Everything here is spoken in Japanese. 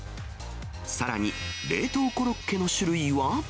さらに、冷凍コロッケの種類は。